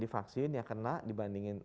di vaksin yang kena dibandingin